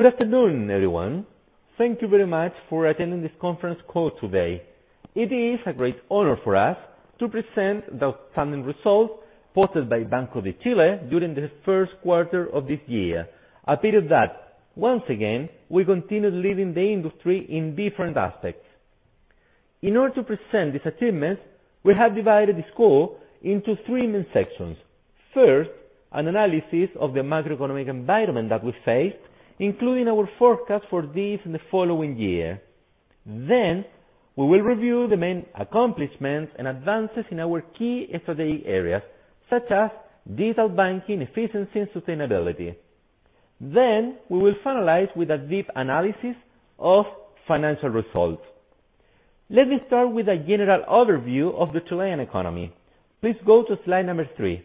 Good afternoon, everyone. Thank you very much for attending this conference call today. It is a great honor for us to present the outstanding results posted by Banco de Chile during the first quarter of this year, a period that, once again, we continued leading the industry in different aspects. In order to present these achievements, we have divided the call into three main sections. First, an analysis of the macroeconomic environment that we face, including our forecast for this and the following year. We will review the main accomplishments and advances in our key strategic areas, such as digital banking, efficiency, and sustainability. We will finalize with a deep analysis of financial results. Let me start with a general overview of the Chilean economy. Please go to slide number three.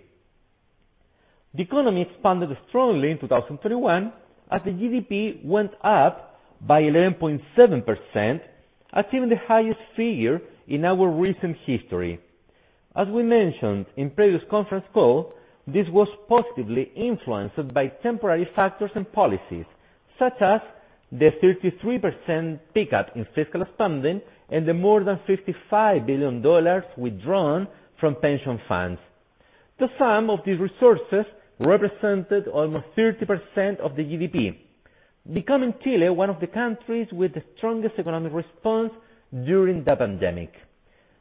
The economy expanded strongly in 2021 as the GDP went up by 11.7%, achieving the highest figure in our recent history. As we mentioned in previous conference call, this was positively influenced by temporary factors and policies, such as the 33% pickup in fiscal spending and the more than $55 billion withdrawn from pension funds. The sum of these resources represented almost 30% of the GDP, becoming Chile one of the countries with the strongest economic response during the pandemic.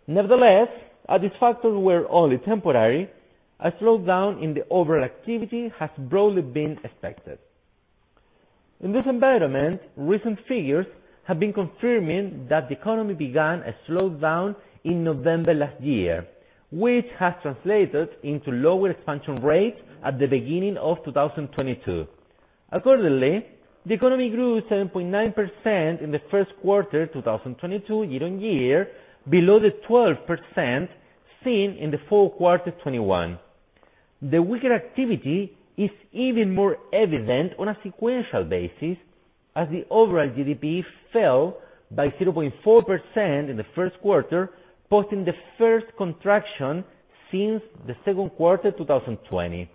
Nevertheless, as these factors were only temporary, a slowdown in the overall activity has broadly been expected. In this environment, recent figures have been confirming that the economy began a slowdown in November last year, which has translated into lower expansion rates at the beginning of 2022. Accordingly, the economy grew 7.9% in the first quarter, 2022 year-on-year, below the 12% seen in the first quarter 2021. The weaker activity is even more evident on a sequential basis as the overall GDP fell by 0.4% in the first quarter, posting the first contraction since the second quarter, 2020.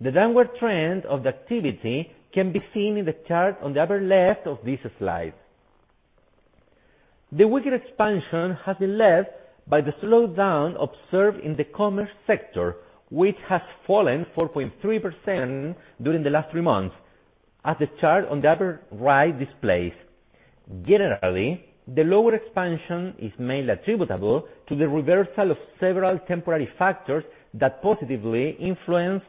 The downward trend of the activity can be seen in the chart on the upper left of this slide. The weaker expansion has been led by the slowdown observed in the commerce sector, which fallen 4.3% during the last three months, as the chart on the upper right displays. Generally, the lower expansion is mainly attributable to the reversal of several temporary factors that positively influenced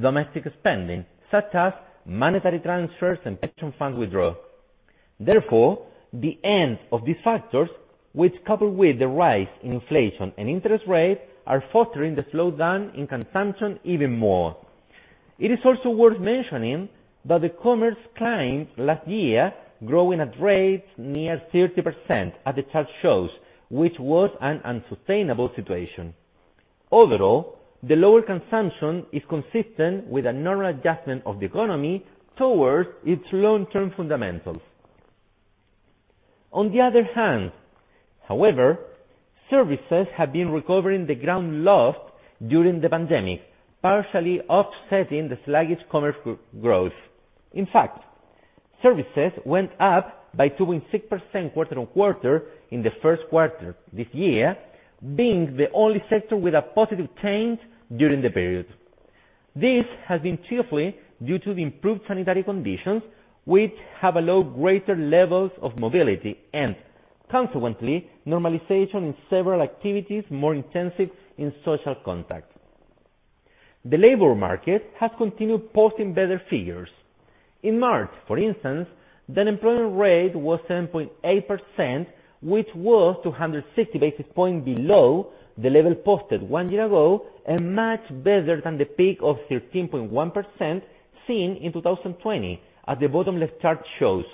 domestic spending, such as monetary transfers and pension fund withdrawal. Therefore, the end of these factors, which coupled with the rise in inflation and interest rates, are fostering the slowdown in consumption even more. It is also worth mentioning that the commerce climbed last year, growing at rates near 30%, as the chart shows, which was an unsustainable situation. Overall, the lower consumption is consistent with a normal adjustment of the economy towards its long-term fundamentals. On the other hand, however, services have been recovering ground lost during the pandemic, partially offsetting the sluggish commerce growth. In fact, services went up by 2.6% quarter-on-quarter in the first quarter this year, being the only sector with a positive change during the period. This has been chiefly due to the improved sanitary conditions, which have allowed greater levels of mobility and, consequently, normalization in several activities more intensive in social contact. The labor market has continued posting better figures. In March, for instance, the unemployment rate was 7.8%, which was 260 basis points below the level posted one year ago and much better than the peak of 13.1% seen in 2020, as the bottom left chart shows.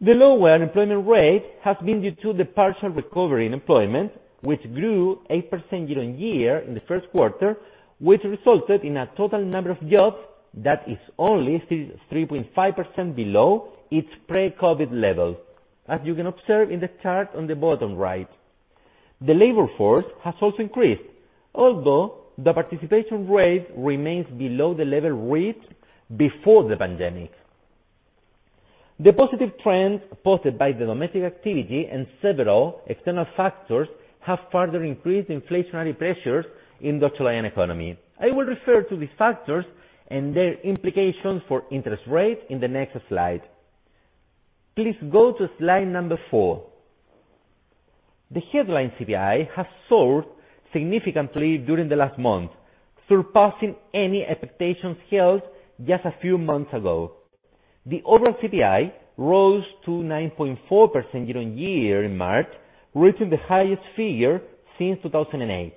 The lower unemployment rate has been due to the partial recovery in employment, which grew 8% year-over-year in the first quarter, which resulted in a total number of jobs that is only 3.5% below its pre-COVID levels, as you can observe in the chart on the bottom right. The labor force has also increased, although the participation rate remains below the level reached before the pandemic. The positive trend posted by the domestic activity and several external factors have further increased inflationary pressures in the Chilean economy. I will refer to these factors and their implications for interest rates in the next slide. Please go to slide number 4. The headline CPI has soared significantly during the last month, surpassing any expectations held just a few months ago. The overall CPI rose to 9.4% year-on-year in March, reaching the highest figure since 2008.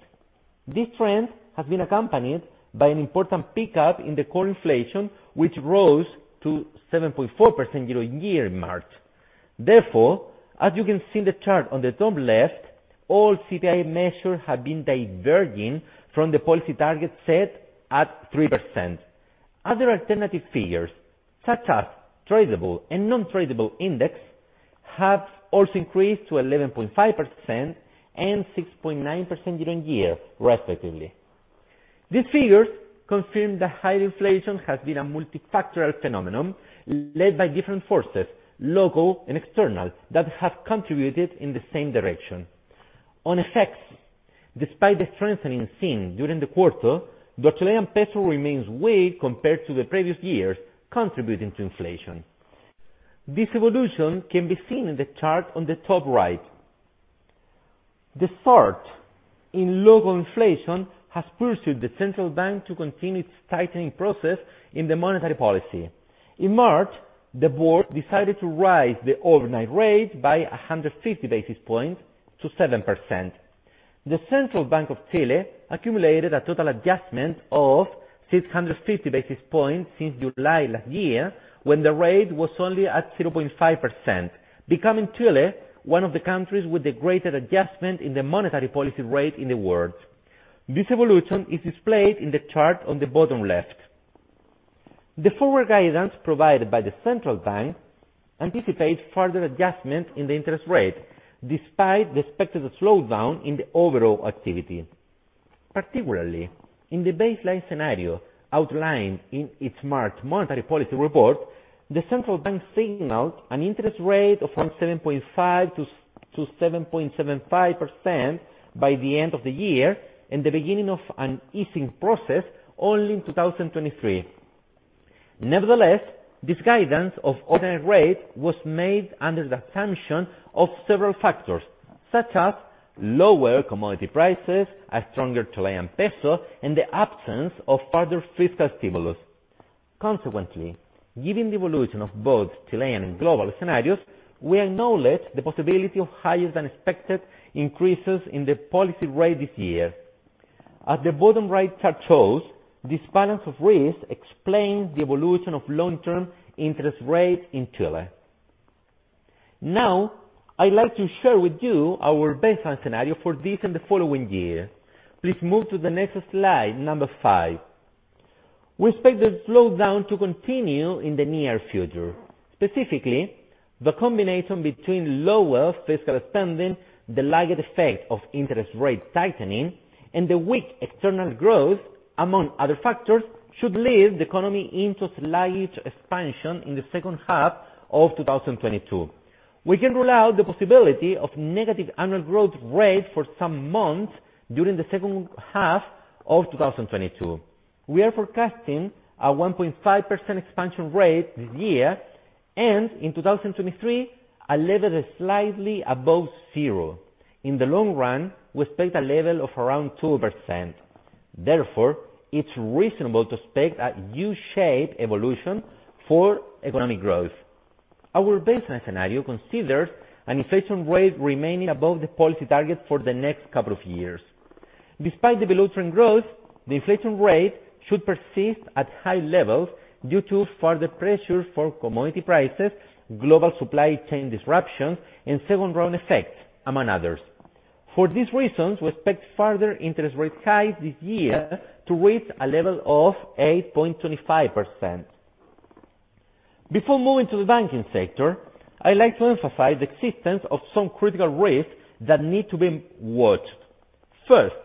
This trend has been accompanied by an important pickup in the core inflation, which rose to 7.4% year-on-year in March. Therefore, as you can see in the chart on the top left, all CPI measures have been diverging from the policy target set at 3%. Other alternative figures, such as tradable and non-tradable index, have also increased to 11.5% and 6.9% year-on-year respectively. These figures confirm that high inflation has been a multifactorial phenomenon led by different forces, local and external, that have contributed in the same direction. In effect, despite the strengthening seen during the quarter, the Chilean peso remains weak compared to the previous years, contributing to inflation. This evolution can be seen in the chart on the top right. The surge in local inflation has pressured the Central Bank of Chile to continue its tightening process in the monetary policy. In March, the board decided to raise the overnight rate by 150 basis points to 7%. The Central Bank of Chile has accumulated a total adjustment of 650 basis points since July last year, when the rate was only at 0.5%, becoming Chile one of the countries with the greatest adjustment in the monetary policy rate in the world. This evolution is displayed in the chart on the bottom left. The forward guidance provided by the central bank anticipates further adjustment in the interest rate despite the expected slowdown in the overall activity. Particularly, in the baseline scenario outlined in its March monetary policy report, the central bank signaled an interest rate of 7.5% to 7.75% by the end of the year and the beginning of an easing process only in 2023. Nevertheless, this guidance of overnight rate was made under the assumption of several factors, such as lower commodity prices, a stronger Chilean peso, and the absence of further fiscal stimulus. Consequently, given the evolution of both Chilean and global scenarios, we acknowledge the possibility of higher than expected increases in the policy rate this year. As the bottom right chart shows, this balance of risk explains the evolution of long-term interest rate in Chile. Now, I'd like to share with you our baseline scenario for this and the following year. Please move to the next slide, 5. We expect the slowdown to continue in the near future. Specifically, the combination between lower fiscal spending, the lagged effect of interest rate tightening, and the weak external growth, among other factors, should lead the economy into slight expansion in the second half of 2022. We can rule out the possibility of negative annual growth rate for some months during the second half of 2022. We are forecasting a 1.5% expansion rate this year, and in 2023, a level that is slightly above zero. In the long run, we expect a level of around 2%. Therefore, it's reasonable to expect a U-shaped evolution for economic growth. Our baseline scenario considers an inflation rate remaining above the policy target for the next couple of years. Despite the below trend growth, the inflation rate should persist at high levels due to further pressures for commodity prices, global supply chain disruptions, and second round effects, among others. For these reasons, we expect further interest rate hikes this year to reach a level of 8.25%. Before moving to the banking sector, I like to emphasize the existence of some critical risks that need to be watched. First,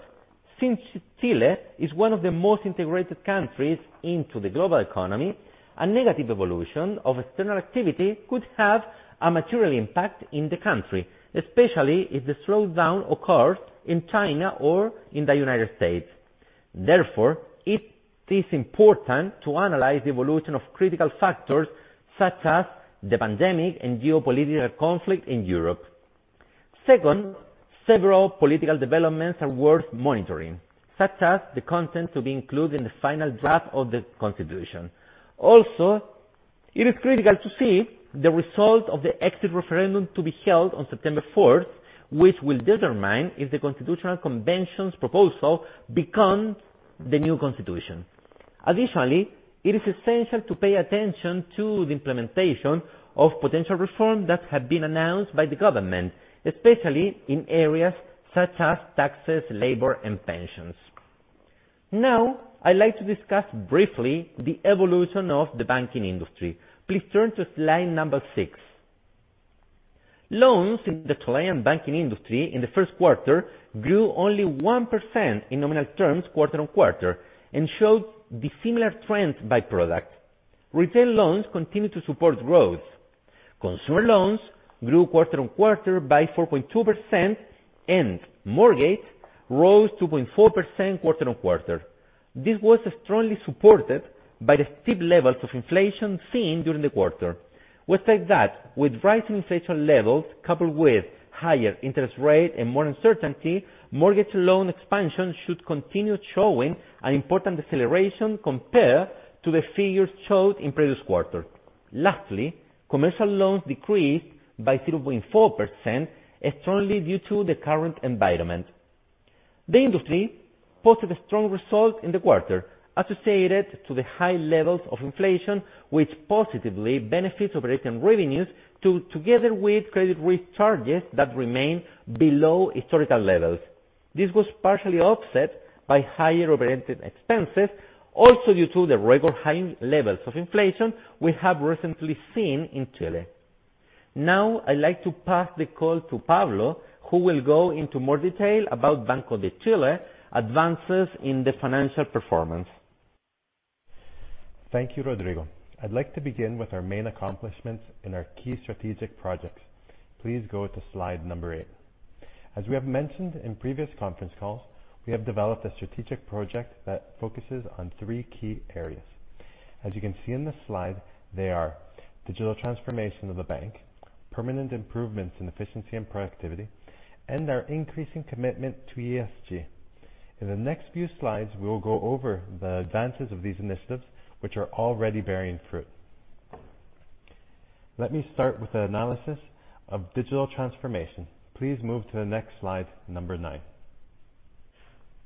since Chile is one of the most integrated countries into the global economy, a negative evolution of external activity could have a material impact in the country, especially if the slowdown occurs in China or in the United States. Therefore, it is important to analyze the evolution of critical factors such as the pandemic and geopolitical conflict in Europe. Second, several political developments are worth monitoring, such as the content to be included in the final draft of the constitution. Also, it is critical to see the result of the exit referendum to be held on September Fourth, which will determine if the Constitutional Convention's proposal become the new constitution. Additionally, it is essential to pay attention to the implementation of potential reforms that have been announced by the government, especially in areas such as taxes, labor, and pensions. Now, I'd like to discuss briefly the evolution of the banking industry. Please turn to slide number 6. Loans in the Chilean banking industry in the first quarter grew only 1% in nominal terms quarter-on-quarter and showed similar trends by product. Retail loans continued to support growth. Consumer loans grew quarter-on-quarter by 4.2% and mortgage rose 2.4% quarter-on-quarter. This was strongly supported by the steep levels of inflation seen during the quarter. We think that with rising inflation levels coupled with higher interest rate and more uncertainty, mortgage loan expansion should continue showing an important deceleration compared to the figures showed in previous quarters. Lastly, commercial loans decreased by 0.4% externally due to the current environment. The industry posted a strong result in the quarter associated to the high levels of inflation, which positively benefits operating revenues to together with credit risk charges that remain below historical levels. This was partially offset by higher operating expenses, also due to the record high levels of inflation we have recently seen in Chile. Now I'd like to pass the call to Pablo, who will go into more detail about Banco de Chile advances in the financial performance. Thank you, Rodrigo. I'd like to begin with our main accomplishments in our key strategic projects. Please go to slide 8. As we have mentioned in previous conference calls, we have developed a strategic project that focuses on three key areas. As you can see in this slide, they are digital transformation of the bank, permanent improvements in efficiency and productivity, and our increasing commitment to ESG. In the next few slides, we will go over the advances of these initiatives, which are already bearing fruit. Let me start with the analysis of digital transformation. Please move to the next slide, 9.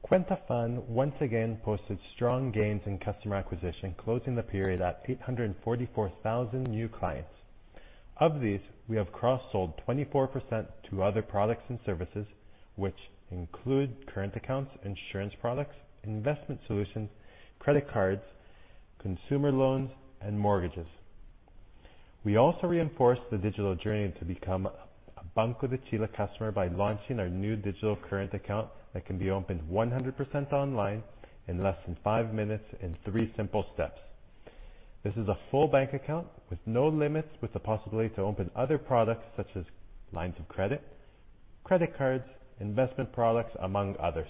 Cuenta FAN once again posted strong gains in customer acquisition, closing the period with 844,000 new clients. Of these, we have cross-sold 24% to other products and services, which include current accounts, insurance products, investment solutions, credit cards, consumer loans, and mortgages. We also reinforced the digital journey to become a Banco de Chile customer by launching our new digital current account that can be opened 100% online in less than 5 minutes in 3 simple steps. This is a full bank account with no limits, with the possibility to open other products such as lines of credit cards, investment products, among others.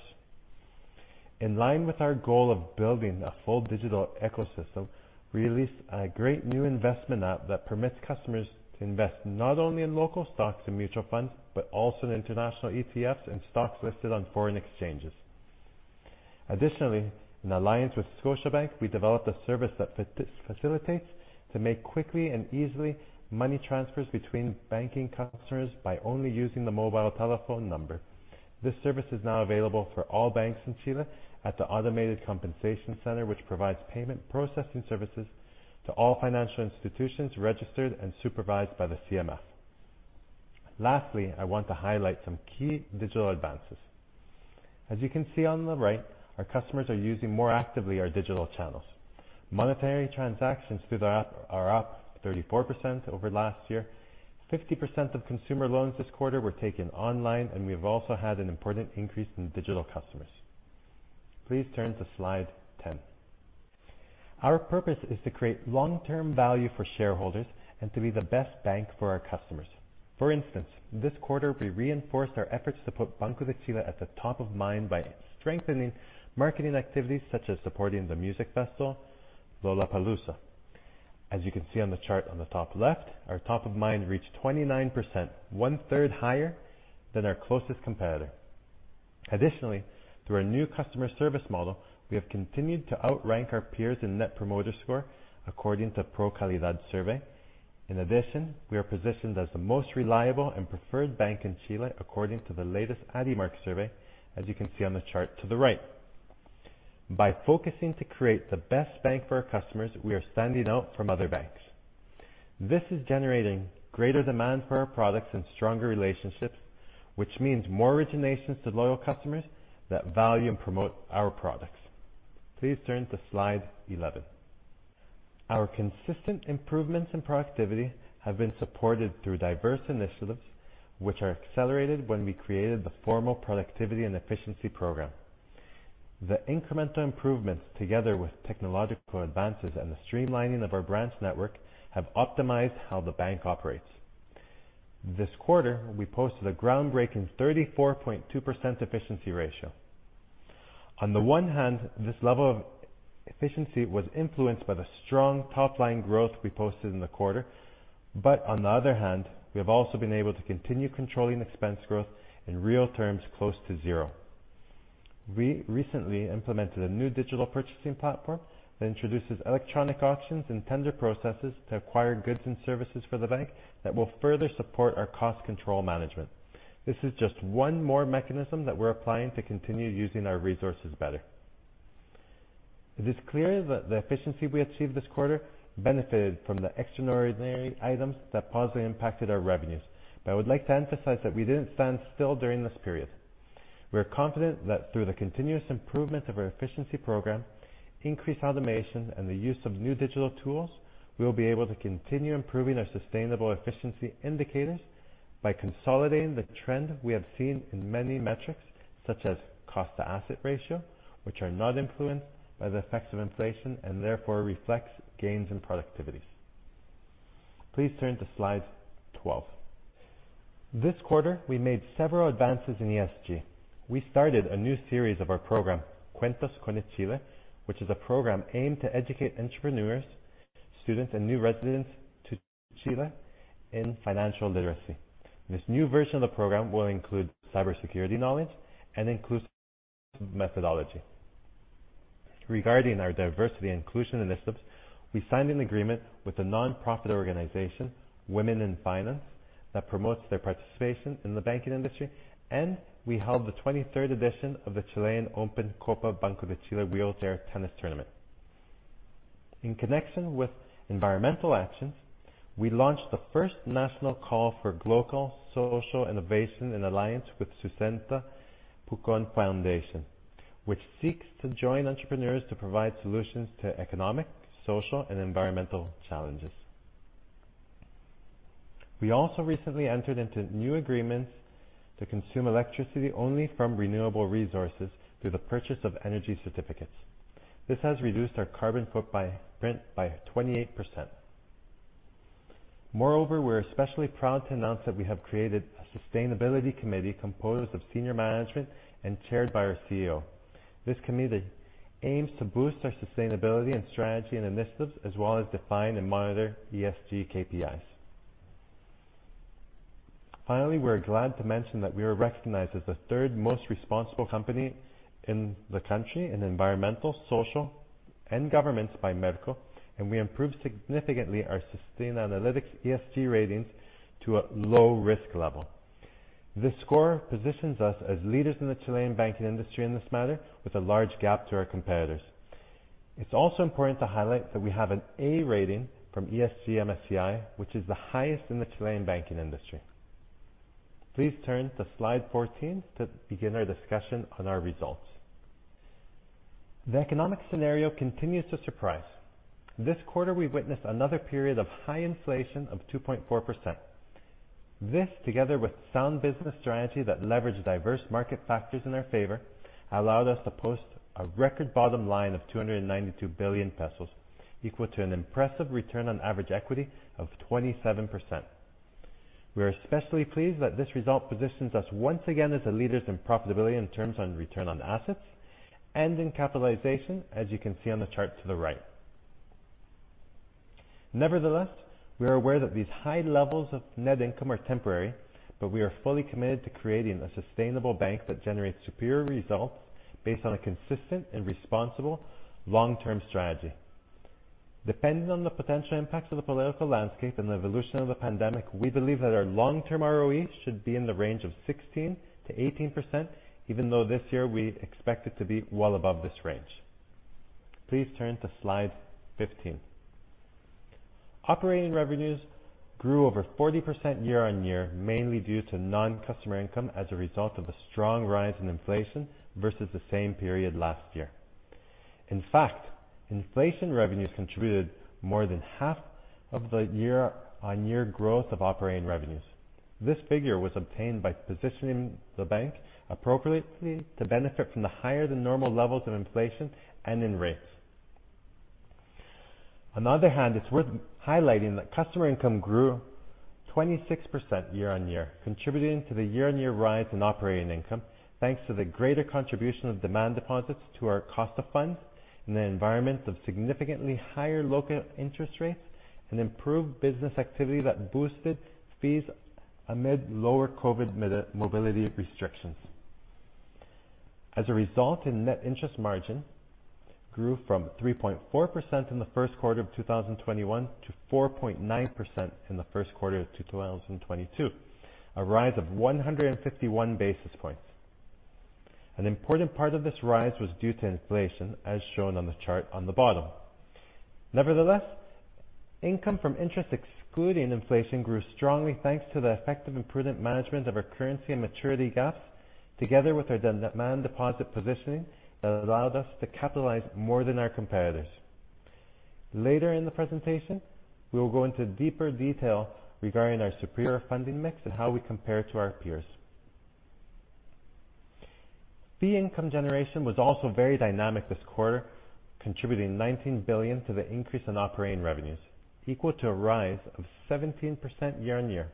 In line with our goal of building a full digital ecosystem, we released a great new investment app that permits customers to invest not only in local stocks and mutual funds, but also in international ETFs and stocks listed on foreign exchanges. Additionally, in alliance with Scotiabank, we developed a service that facilitates quickly and easily money transfers between banking customers by only using the mobile telephone number. This service is now available for all banks in Chile at the automated compensation center, which provides payment processing services to all financial institutions registered and supervised by the CMF. Lastly, I want to highlight some key digital advances. As you can see on the right, our customers are using more actively our digital channels. Monetary transactions through the app are up 34% over last year. 50% of consumer loans this quarter were taken online, and we have also had an important increase in digital customers. Please turn to slide 10. Our purpose is to create long-term value for shareholders and to be the best bank for our customers. For instance, this quarter, we reinforced our efforts to put Banco de Chile at the top of mind by strengthening marketing activities such as supporting the music festival, Lollapalooza. As you can see on the chart on the top left, our top of mind reached 29%, 1/3 higher than our closest competitor. Additionally, through our new customer service model, we have continued to outrank our peers in Net Promoter Score according to Procalidad survey. In addition, we are positioned as the most reliable and preferred bank in Chile according to the latest Adimark survey, as you can see on the chart to the right. By focusing to create the best bank for our customers, we are standing out from other banks. This is generating greater demand for our products and stronger relationships, which means more originations to loyal customers that value and promote our products. Please turn to slide 11. Our consistent improvements in productivity have been supported through diverse initiatives, which are accelerated when we created the formal productivity and efficiency program. The incremental improvements, together with technological advances and the streamlining of our branch network, have optimized how the bank operates. This quarter, we posted a groundbreaking 34.2% efficiency ratio. On the one hand, this level of efficiency was influenced by the strong top-line growth we posted in the quarter, but on the other hand, we have also been able to continue controlling expense growth in real terms close to zero. We recently implemented a new digital purchasing platform that introduces electronic auctions and tender processes to acquire goods and services for the bank that will further support our cost control management. This is just one more mechanism that we're applying to continue using our resources better. It is clear that the efficiency we achieved this quarter benefited from the extraordinary items that positively impacted our revenues, but I would like to emphasize that we didn't stand still during this period. We are confident that through the continuous improvement of our efficiency program, increased automation, and the use of new digital tools, we will be able to continue improving our sustainable efficiency indicators by consolidating the trend we have seen in many metrics, such as cost-to-asset ratio, which are not influenced by the effects of inflation and therefore reflects gains in productivities. Please turn to slide 12. This quarter, we made several advances in ESG. We started a new series of our program, Cuentas con Chile, which is a program aimed to educate entrepreneurs, students, and new residents to Chile in financial literacy. This new version of the program will include cybersecurity knowledge and inclusive methodology. Regarding our diversity inclusion initiatives, we signed an agreement with the nonprofit organization, Women in Finance, that promotes their participation in the banking industry, and we held the 23rd edition of the Chilean Open Copa Banco de Chile wheelchair tennis tournament. In connection with environmental actions, we launched the first national call for local social innovation in alliance with Fundación Sustenta Pucón, which seeks to join entrepreneurs to provide solutions to economic, social, and environmental challenges. We also recently entered into new agreements to consume electricity only from renewable resources through the purchase of energy certificates. This has reduced our carbon footprint by 28%. Moreover, we're especially proud to announce that we have created a sustainability committee composed of senior management and chaired by our CEO. This committee aims to boost our sustainability and strategy, and initiatives, as well as define and monitor ESG KPIs. Finally, we're glad to mention that we are recognized as the third most responsible company in the country in environmental, social, and governance by Merco, and we improved significantly our Sustainalytics ESG ratings to a low-risk level. This score positions us as leaders in the Chilean banking industry in this matter, with a large gap to our competitors. It's also important to highlight that we have an A rating from MSCI ESG, which is the highest in the Chilean banking industry. Please turn to slide 14 to begin our discussion on our results. The economic scenario continues to surprise. This quarter, we witnessed another period of high inflation of 2.4%. This, together with sound business strategy that leveraged diverse market factors in our favor, allowed us to post a record bottom line of 292 billion pesos, equal to an impressive return on average equity of 27%. We are especially pleased that this result positions us once again as the leaders in profitability in terms of return on assets and in capitalization, as you can see on the chart to the right. Nevertheless, we are aware that these high levels of net income are temporary, but we are fully committed to creating a sustainable bank that generates superior results based on a consistent and responsible long-term strategy. Depending on the potential impacts of the political landscape and the evolution of the pandemic, we believe that our long-term ROE should be in the range of 16%-18%, even though this year we expect it to be well above this range. Please turn to slide 15. Operating revenues grew over 40% year-on-year, mainly due to non-customer income as a result of a strong rise in inflation versus the same period last year. In fact, inflation revenues contributed more than half of the year-on-year growth of operating revenues. This figure was obtained by positioning the bank appropriately to benefit from the higher than normal levels of inflation and in rates. On the other hand, it's worth highlighting that customer income grew 26% year-on-year, contributing to the year-on-year rise in operating income, thanks to the greater contribution of demand deposits to our cost of funds in the environment of significantly higher local interest rates and improved business activity that boosted fees amid lower COVID mobility restrictions. As a result, our net interest margin grew from 3.4% in the first quarter of 2021 to 4.9% in the first quarter of 2022, a rise of 151 basis points. An important part of this rise was due to inflation, as shown on the chart on the bottom. Nevertheless, income from interest excluding inflation grew strongly, thanks to the effective and prudent management of our currency and maturity gaps, together with our demand deposit positioning that allowed us to capitalize more than our competitors. Later in the presentation, we will go into deeper detail regarding our superior funding mix and how we compare to our peers. Fee income generation was also very dynamic this quarter, contributing CLP 19 billion to the increase in operating revenues, equal to a rise of 17% year-on-year.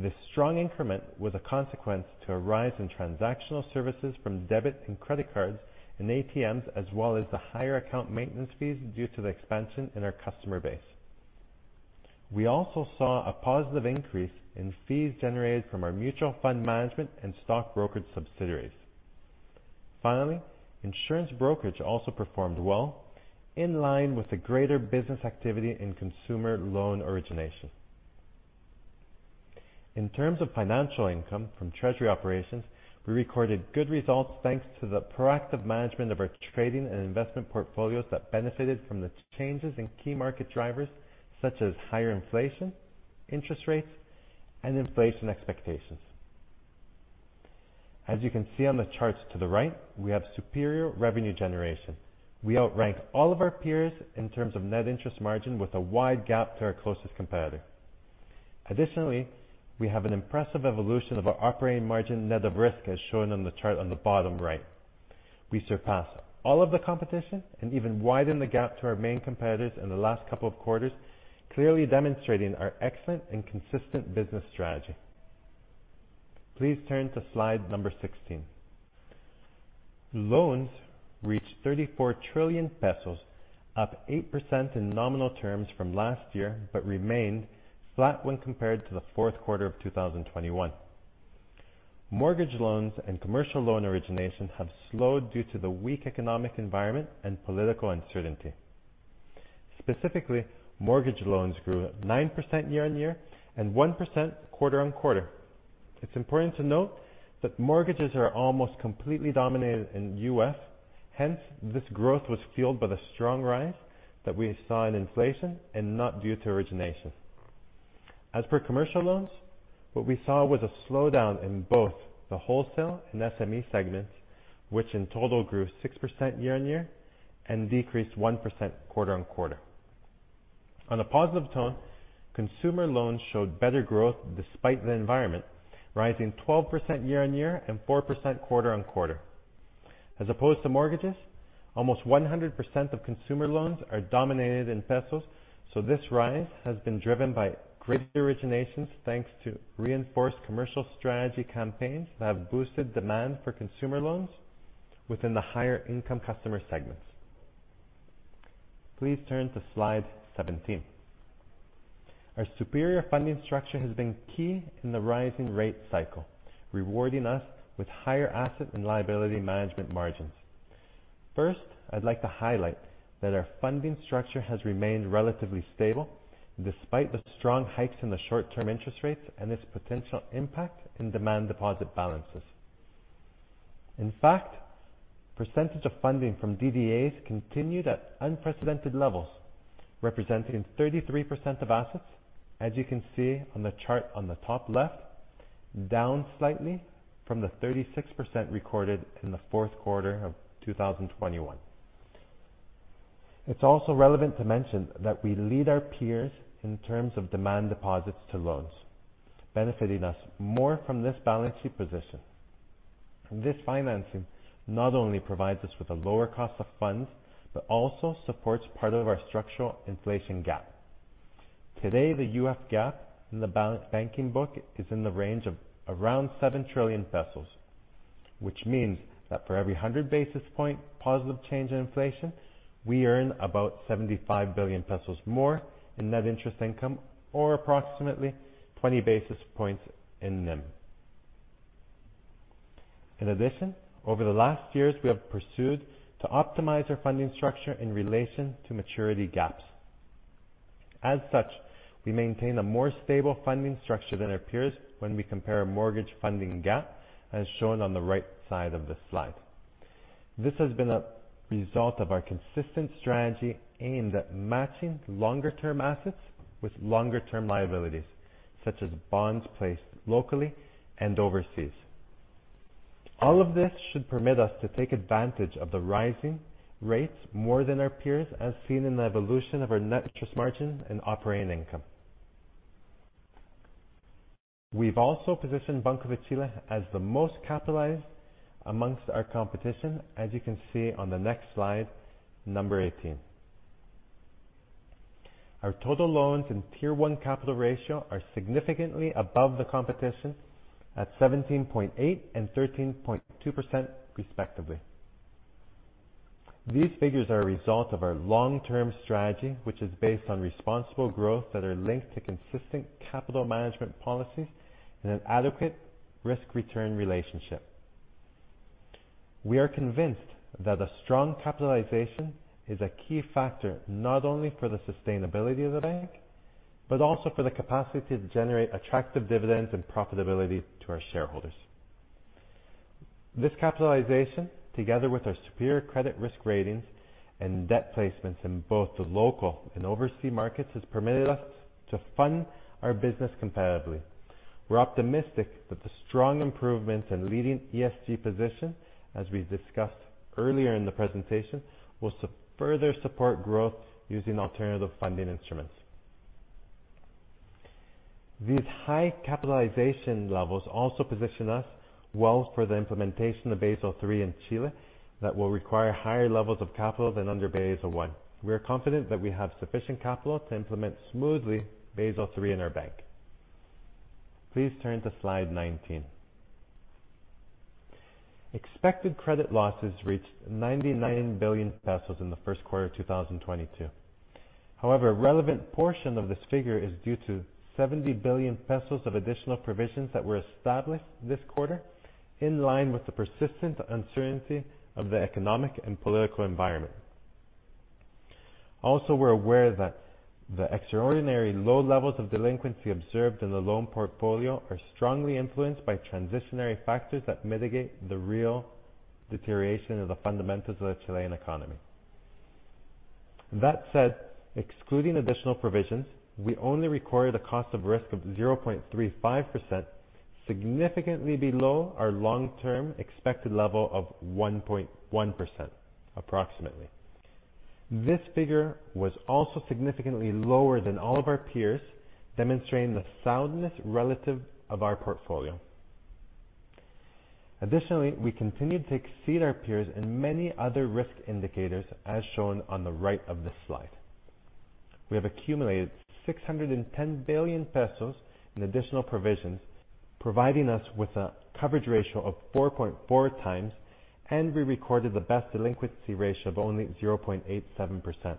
This strong increment was a consequence of a rise in transactional services from debit and credit cards and ATMs, as well as the higher account maintenance fees due to the expansion in our customer base. We also saw a positive increase in fees generated from our mutual fund management and stock brokerage subsidiaries. Finally, insurance brokerage also performed well, in line with the greater business activity in consumer loan origination. In terms of financial income from treasury operations, we recorded good results thanks to the proactive management of our trading and investment portfolios that benefited from the changes in key market drivers such as higher inflation, interest rates, and inflation expectations. As you can see on the charts to the right, we have superior revenue generation. We outrank all of our peers in terms of net interest margin with a wide gap to our closest competitor. Additionally, we have an impressive evolution of our operating margin net of risk, as shown on the chart on the bottom right. We surpass all of the competition and even widen the gap to our main competitors in the last couple of quarters, clearly demonstrating our excellent and consistent business strategy. Please turn to slide number 16. Loans reached 34 trillion pesos, up 8% in nominal terms from last year, but remained flat when compared to the fourth quarter of 2021. Mortgage loans and commercial loan origination have slowed due to the weak economic environment and political uncertainty. Specifically, mortgage loans grew 9% year-on-year and 1% quarter-on-quarter. It's important to note that mortgages are almost completely denominated in UF. Hence, this growth was fueled by the strong rise that we saw in inflation and not due to origination. As for commercial loans, what we saw was a slowdown in both the wholesale and SME segments, which in total grew 6% year-on-year and decreased 1% quarter-on-quarter. On a positive tone, consumer loans showed better growth despite the environment, rising 12% year-on-year and 4% quarter-on-quarter. As opposed to mortgages, almost 100% of consumer loans are denominated in pesos, so this rise has been driven by great originations thanks to reinforced commercial strategy campaigns that have boosted demand for consumer loans within the higher income customer segments. Please turn to slide 17. Our superior funding structure has been key in the rising rate cycle, rewarding us with higher asset and liability management margins. First, I'd like to highlight that our funding structure has remained relatively stable despite the strong hikes in the short-term interest rates and its potential impact on demand deposit balances. In fact, the percentage of funding from DDAs continued at unprecedented levels, representing 33% of assets, as you can see on the chart on the top left, down slightly from the 36% recorded in the fourth quarter of 2021. It's also relevant to mention that we lead our peers in terms of demand deposits to loans, benefiting us more from this balance sheet position. This financing not only provides us with a lower cost of funds, but also supports part of our structural inflation gap. Today, the UF gap in the balance banking book is in the range of around 7 trillion, which means that for every 100 basis point positive change in inflation, we earn about 75 billion pesos more in net interest income, or approximately 20 basis points in NIM. In addition, over the last years, we have pursued to optimize our funding structure in relation to maturity gaps. As such, we maintain a more stable funding structure than our peers when we compare a mortgage funding gap, as shown on the right side of the slide. This has been a result of our consistent strategy aimed at matching longer-term assets with longer-term liabilities, such as bonds placed locally and overseas. All of this should permit us to take advantage of the rising rates more than our peers, as seen in the evolution of our net interest margin and operating income. We've also positioned Banco de Chile as the most capitalized amongst our competition, as you can see on the next slide, number 18. Our total loans and Tier 1 capital ratio are significantly above the competition at 17.8% and 13.2% respectively. These figures are a result of our long-term strategy, which is based on responsible growth that are linked to consistent capital management policies and an adequate risk-return relationship. We are convinced that a strong capitalization is a key factor, not only for the sustainability of the bank, but also for the capacity to generate attractive dividends and profitability to our shareholders. This capitalization, together with our superior credit risk ratings and debt placements in both the local and overseas markets, has permitted us to fund our business comfortably. We're optimistic that the strong improvements in leading ESG position, as we discussed earlier in the presentation, will further support growth using alternative funding instruments. These high capitalization levels also position us well for the implementation of Basel III in Chile that will require higher levels of capital than under Basel I. We are confident that we have sufficient capital to implement smoothly Basel III in our bank. Please turn to slide 19. Expected credit losses reached 99 billion pesos in the first quarter of 2022. However, a relevant portion of this figure is due to 70 billion pesos of additional provisions that were established this quarter, in line with the persistent uncertainty of the economic and political environment. We're aware that the extraordinary low levels of delinquency observed in the loan portfolio are strongly influenced by transitory factors that mitigate the real deterioration of the fundamentals of the Chilean economy. Excluding additional provisions, we only recorded a cost of risk of 0.35%, significantly below our long-term expected level of 1.1% approximately. This figure was also significantly lower than all of our peers, demonstrating the relative soundness of our portfolio. We continued to exceed our peers in many other risk indicators, as shown on the right of this slide. We have accumulated 610 billion pesos in additional provisions, providing us with a coverage ratio of 4.4 times, and we recorded the best delinquency ratio of only 0.87%.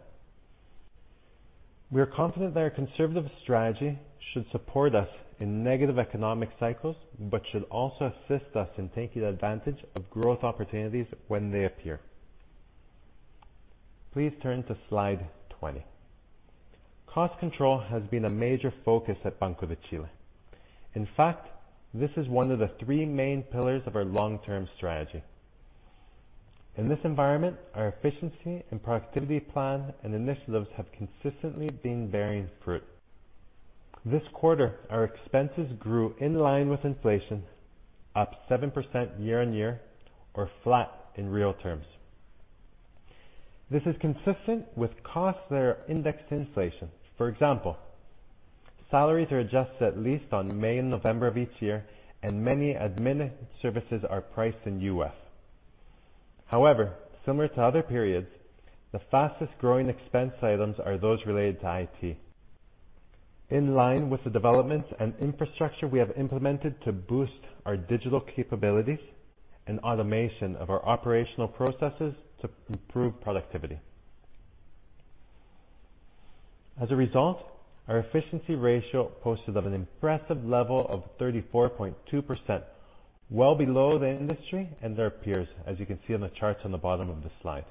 We are confident that our conservative strategy should support us in negative economic cycles, but should also assist us in taking advantage of growth opportunities when they appear. Please turn to slide 20. Cost control has been a major focus at Banco de Chile. In fact, this is one of the three main pillars of our long-term strategy. In this environment, our efficiency and productivity plan and initiatives have consistently been bearing fruit. This quarter, our expenses grew in line with inflation, up 7% year-on-year, or flat in real terms. This is consistent with costs that are indexed inflation. For example, salaries are adjusted at least on May and November of each year, and many admin services are priced in U.S. dollars. However, similar to other periods, the fastest-growing expense items are those related to IT. In line with the developments and infrastructure we have implemented to boost our digital capabilities and automation of our operational processes to improve productivity. As a result, our efficiency ratio posted an impressive level of 34.2%, well below the industry and their peers, as you can see on the charts on the bottom of the slide.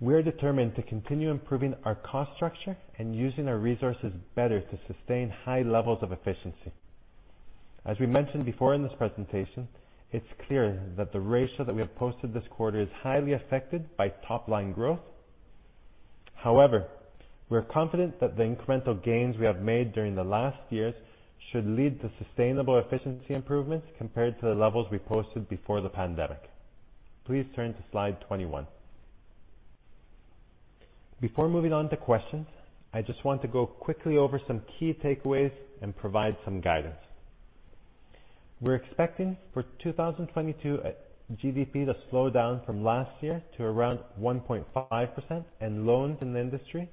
We are determined to continue improving our cost structure and using our resources better to sustain high levels of efficiency. As we mentioned before in this presentation, it's clear that the ratio that we have posted this quarter is highly affected by top line growth. However, we are confident that the incremental gains we have made during the last years should lead to sustainable efficiency improvements compared to the levels we posted before the pandemic. Please turn to slide 21. Before moving on to questions, I just want to go quickly over some key takeaways and provide some guidance. We're expecting for 2022, GDP to slow down from last year to around 1.5%, and loans in the industry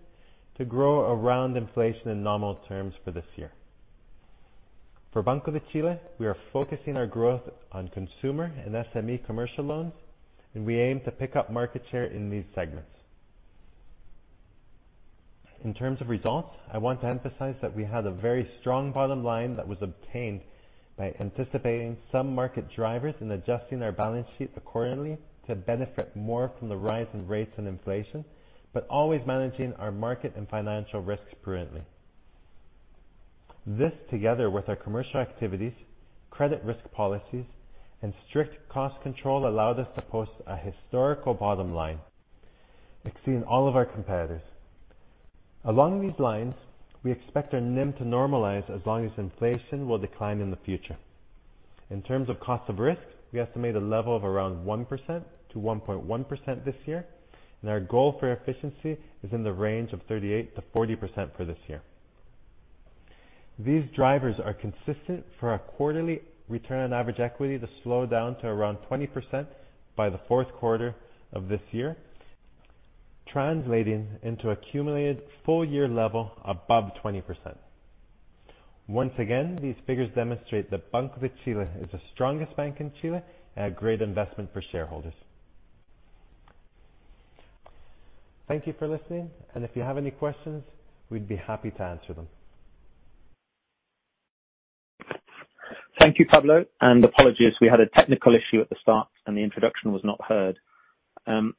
to grow around inflation in nominal terms for this year. For Banco de Chile, we are focusing our growth on consumer and SME commercial loans, and we aim to pick up market share in these segments. In terms of results, I want to emphasize that we had a very strong bottom line that was obtained by anticipating some market drivers and adjusting our balance sheet accordingly to benefit more from the rise in rates and inflation, but always managing our market and financial risks prudently. This together with our commercial activities, credit risk policies and strict cost control, allowed us to post a historical bottom line exceeding all of our competitors. Along these lines, we expect our NIM to normalize as long as inflation will decline in the future. In terms of cost of risk, we estimate a level of around 1% to 1.1% this year, and our goal for efficiency is in the range of 38%-40% for this year. These drivers are consistent for our quarterly return on average equity to slow down to around 20% by the fourth quarter of this year, translating into accumulated full year level above 20%. Once again, these figures demonstrate that Banco de Chile is the strongest bank in Chile and a great investment for shareholders. Thank you for listening, and if you have any questions, we'd be happy to answer them. Thank you, Pablo. Apologies, we had a technical issue at the start, and the introduction was not heard.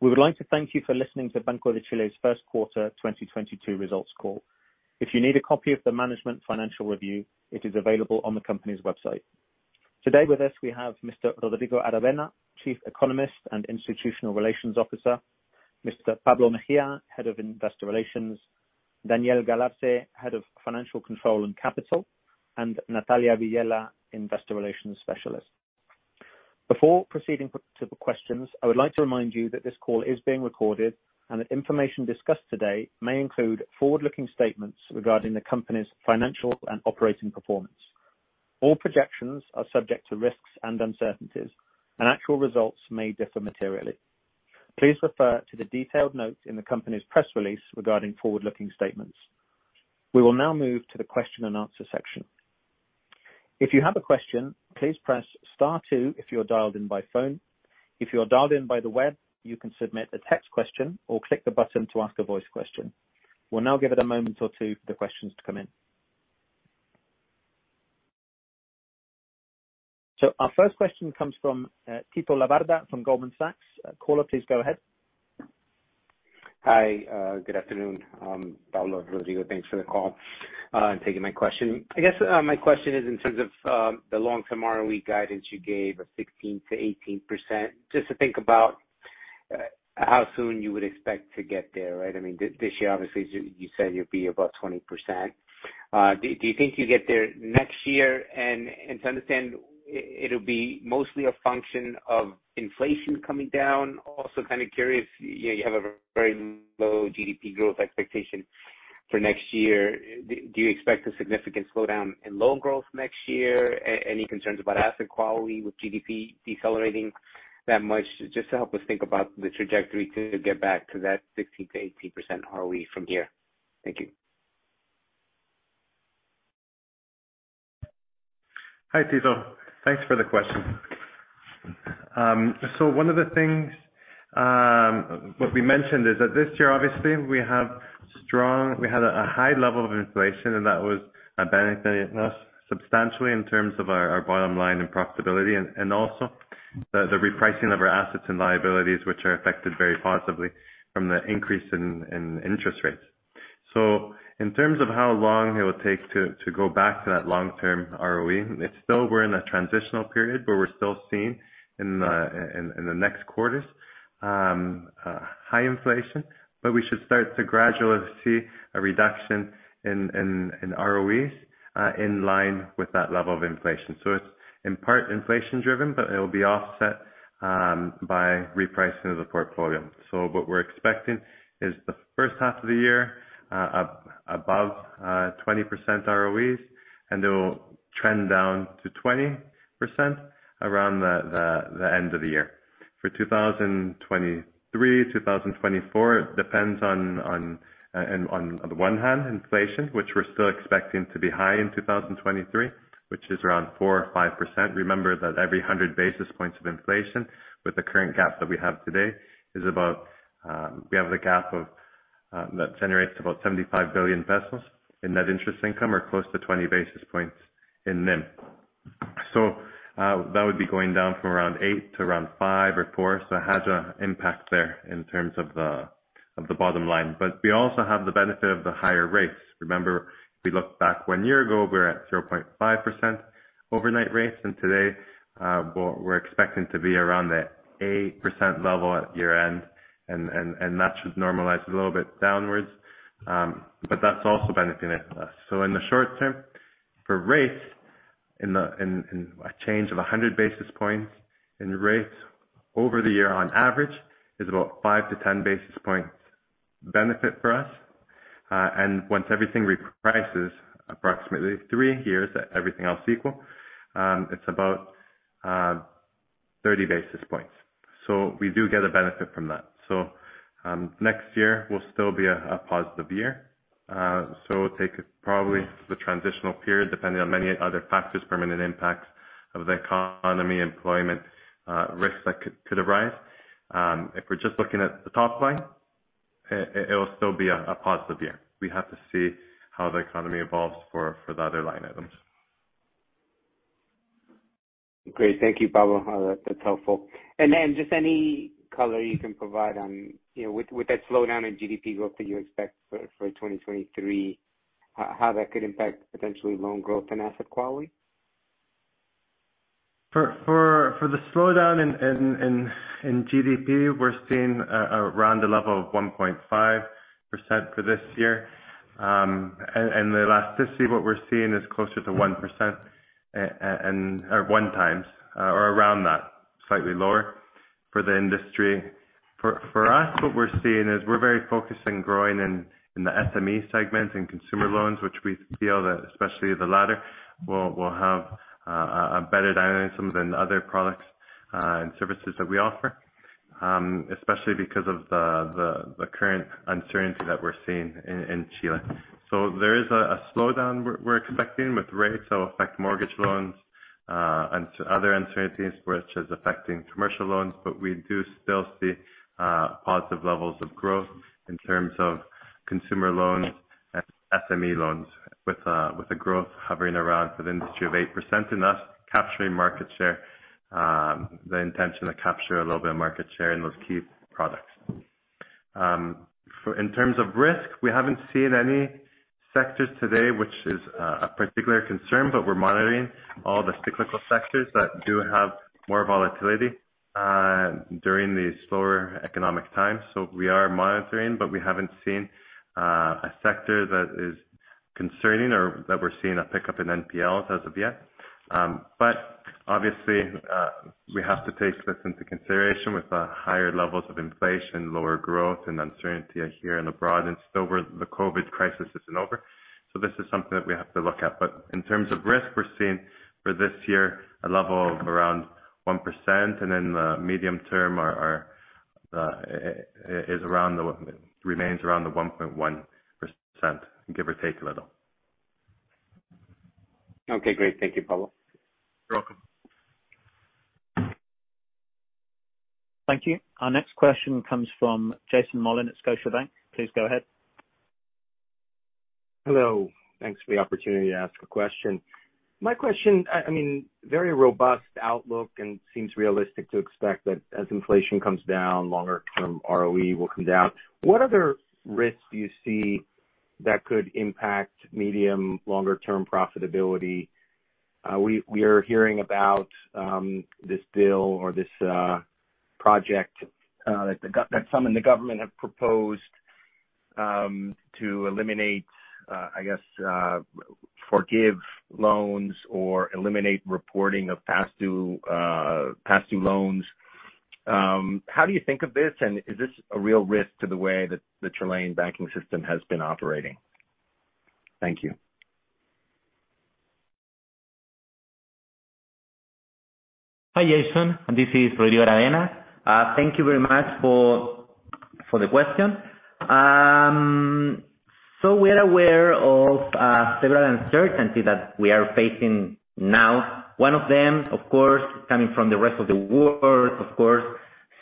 We would like to thank you for listening to Banco de Chile's first quarter 2022 results call. If you need a copy of the Management Financial Review, it is available on the company's website. Today with us, we have Mr. Rodrigo Aravena, Chief Economist and Institutional Relations Officer. Mr. Pablo Mejia, Head of Investor Relations. Daniel Galarce, Head of Financial Control and Capital, and Natalia Vilela, Investor Relations Specialist. Before proceeding to the questions, I would like to remind you that this call is being recorded and that information discussed today may include forward-looking statements regarding the company's financial and operating performance. All projections are subject to risks and uncertainties, and actual results may differ materially. Please refer to the detailed notes in the company's press release regarding forward-looking statements. We will now move to the question and answer section. If you have a question, please press star two if you are dialed in by phone. If you are dialed in by the web, you can submit a text question or click the button to ask a voice question. We'll now give it a moment or two for the questions to come in. Our first question comes from Tito Labarta from Goldman Sachs. Caller, please go ahead. Hi. Good afternoon, Pablo, Rodrigo. Thanks for the call, and taking my question. My question is in terms of, the long term ROE guidance you gave of 16%-18%, just to think about, how soon you would expect to get there. This year, obviously you said you'll be about 20%. Do you think you get there next year? To understand, it'll be mostly a function of inflation coming down. Also curious, you have a very low GDP growth expectation for next year. Do you expect a significant slowdown in loan growth next year? Any concerns about asset quality with GDP decelerating that much? Just to help us think about the trajectory to get back to that 16%-18% ROE from here. Thank you. Hi, Tito. Thanks for the question. One of the things what we mentioned is that this year we had a high level of inflation, and that was benefiting us substantially in terms of our bottom line and profitability and also the repricing of our assets and liabilities, which are affected very positively from the increase in interest rates. In terms of how long it will take to go back to that long-term ROE, it's still we're in a transitional period, but we're still seeing in the in the next quarters high inflation. We should start to gradually see a reduction in ROEs in line with that level of inflation. It's in part inflation driven, but it will be offset by repricing of the portfolio. What we're expecting is the first half of the year above 20% ROEs, and they will trend down to 20% around the end of the year. For 2023, 2024, it depends on the one hand inflation, which we're still expecting to be high in 2023, which is around 4 or 5%. Remember that every 100 basis points of inflation with the current gap that we have today is about that generates about 75 billion pesos in net interest income or close to 20 basis points in NIM. That would be going down from around 8% to around 5% or 4%. It has an impact there in terms of the bottom line. We also have the benefit of the higher rates. Remember, we look back one year ago, we were at 0.5% overnight rates, and today, we're expecting to be around the 8% level at year-end. That should normalize a little bit downwards. That's also benefiting us. In the short term, for rates, a change of 100 basis points in rates over the year on average is about 5-10 basis points benefit for us. Once everything reprices, approximately 3 years, everything else equal, it's about 30 basis points. We do get a benefit from that. Next year will still be a positive year. We'll take probably the transitional period depending on many other factors, permanent impacts of the economy, employment, risks that could arise. If we're just looking at the top line, it will still be a positive year. We have to see how the economy evolves for the other line items. Great. Thank you, Pablo. That's helpful. Just any color you can provide on with that slowdown in GDP growth that you expect for 2023, how that could impact potentially loan growth and asset quality? For the slowdown in GDP, we're seeing around a level of 1.5% for this year. And the elasticity of what we're seeing is closer to 1% and/or one times, or around that, slightly lower for the industry. For us, what we're seeing is we're very focused in growing in the SME segment, in consumer loans, which we feel that especially the latter will have a better dynamic than other products and services that we offer, especially because of the current uncertainty that we're seeing in Chile. There is a slowdown we're expecting with rates that will affect mortgage loans and other uncertainties which is affecting commercial loans. We do still see positive levels of growth in terms of consumer loans and SME loans with the growth hovering around for the industry of 8% and us capturing market share, the intention to capture a little bit of market share in those key products. In terms of risk, we haven't seen any sectors today, which is a particular concern, but we're monitoring all the cyclical sectors that do have more volatility during these slower economic times. We are monitoring, but we haven't seen a sector that is concerning or that we're seeing a pickup in NPLs as of yet. Obviously we have to take this into consideration with the higher levels of inflation, lower growth and uncertainty here and abroad. Still the COVID crisis isn't over. This is something that we have to look at. In terms of risk, we're seeing for this year a level of around 1%, and in the medium term our remains around the 1.1%, give or take a little. Okay, great. Thank you, Pablo. You're welcome. Thank you. Our next question comes from Jason Mollin at Scotiabank. Please go ahead. Hello. Thanks for the opportunity to ask a question. My question very robust outlook and seems realistic to expect that as inflation comes down, longer term ROE will come down. What other risks do you see that could impact medium, longer term profitability? We are hearing about this bill or this project that some in the government have proposed to eliminate forgive loans or eliminate reporting of past due loans. How do you think of this? Is this a real risk to the way that the Chilean banking system has been operating? Thank you. Hi, Jason. This is Rodrigo Aravena. Thank you very much for the question. So we are aware of several uncertainties that we are facing now. One of them, of course, coming from the rest of the world, of course,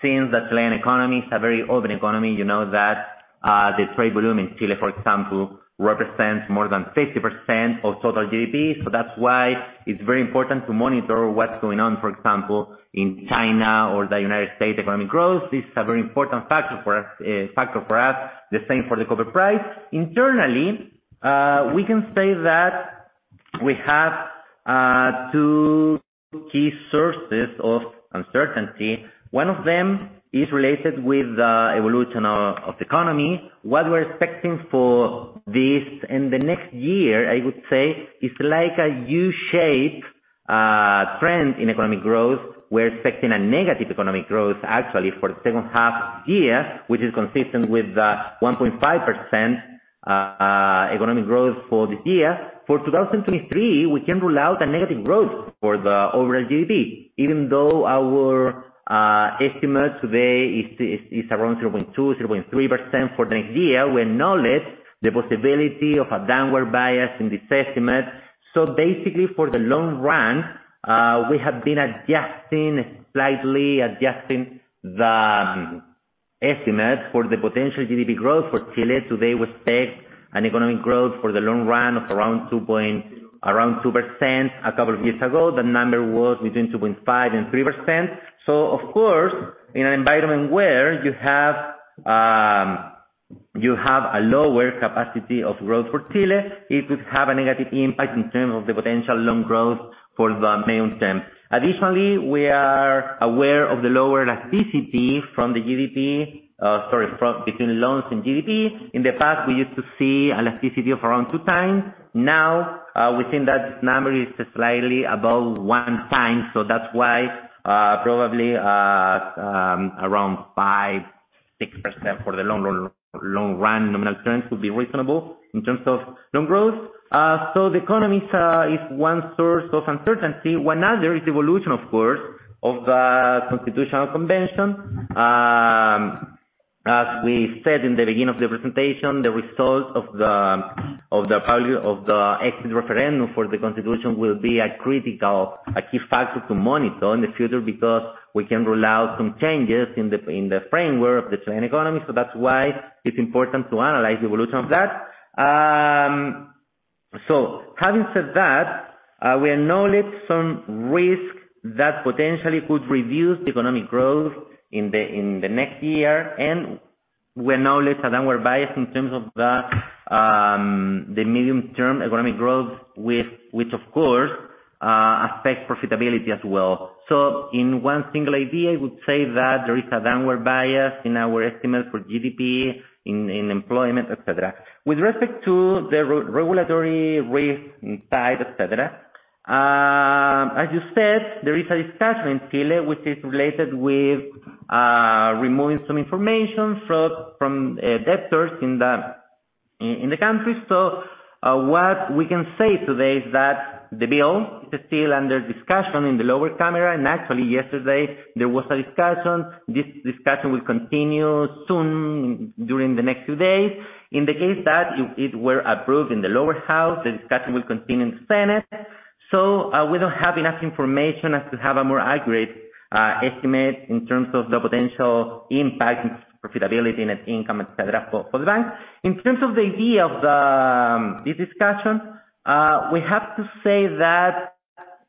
seeing that Chilean economy is a very open economy that the trade volume in Chile, for example, represents more than 50% of total GDP. That's why it's very important to monitor what's going on, for example, in China or the United States economic growth. This is a very important factor for us. The same for the copper price. Internally, we can say that we have two key sources of uncertainty. One of them is related with the evolution of the economy. What we're expecting for this in the next year is like a U-shape trend in economic growth. We're expecting a negative economic growth, actually, for the second half of the year, which is consistent with the 1.5% economic growth for this year. For 2023, we can rule out a negative growth for the overall GDP, even though our estimate today is around 0.2%-0.3% for next year. We acknowledge the possibility of a downward bias in this estimate. For the long run, we have been adjusting, slightly adjusting the estimate for the potential GDP growth for Chile. Today, we expect an economic growth for the long run of around 2%. A couple of years ago, the number was between 2.5% and 3%. Of course, in an environment where you have a lower capacity of growth for Chile, it would have a negative impact in terms of the potential long growth for the medium term. Additionally, we are aware of the lower elasticity between loans and GDP. In the past, we used to see elasticity of around 2 times. Now, we think that number is slightly above 1 time, so that's why, probably, around 5%-6% for the long run nominal trends would be reasonable in terms of long growth. The economy is one source of uncertainty. One other is evolution, of course, of the Constitutional Convention. As we said in the beginning of the presentation, the results of the vote of the exit referendum for the Constitution will be a critical key factor to monitor in the future because we can rule out some changes in the framework of the Chilean economy. That's why it's important to analyze the evolution of that. Having said that, we acknowledge some risk that potentially could reduce the economic growth in the next year. We acknowledge a downward bias in terms of the medium-term economic growth, which of course affects profitability as well. In one single idea that there is a downward bias in our estimate for GDP, in employment, et cetera. With respect to the regulatory risk side, et cetera, as you said, there is a discussion in Chile which is related with removing some information from debtors in the country. What we can say today is that the bill is still under discussion in the lower chamber, and actually yesterday there was a discussion. This discussion will continue soon during the next few days. In the case that if it were approved in the lower house, the discussion will continue in the Senate. We don't have enough information as to have a more accurate estimate in terms of the potential impact in profitability, net income, et cetera, for the bank. In terms of the idea of this discussion, we have to say that